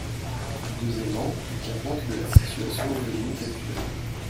Deuxièmement, il tient compte de la situation économique actuelle.